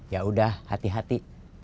ya udah hati hati